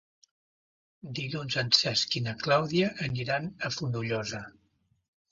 Dilluns en Cesc i na Clàudia aniran a Fonollosa.